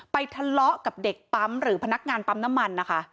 ทะเลาะกับเด็กปั๊มหรือพนักงานปั๊มน้ำมันนะคะ